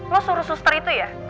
lo suruh suster itu ya